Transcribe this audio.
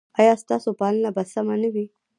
ایا ستاسو پالنه به سمه نه وي؟